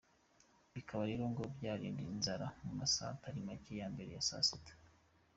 Bikaba rero ngo byarinda inzara mu masaha atari macye ya mbere ya sa sita.